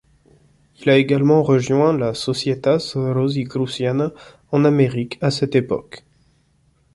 Il a également rejoint la Societas Rosicruciana en Amérique à cette époque.